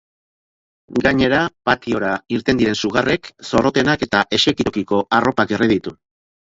Gainera, patiora irten diren sugarrek zorrotenak eta esekitokiko arropak erre ditu.